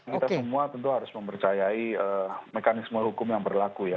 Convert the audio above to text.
kita semua tentu harus mempercayai mekanisme hukum yang berlaku ya